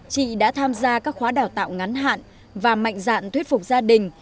chị đã tham gia các khóa đào tạo ngắn hạn và mạnh dạn thuyết phục gia đình